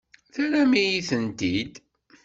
Terram-iyi-tent-id.